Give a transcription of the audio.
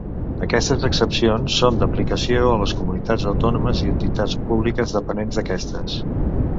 Aquestes exempcions són d'aplicació a les Comunitats Autònomes i entitats públiques dependents d'aquestes.